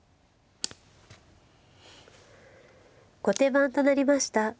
後手番となりました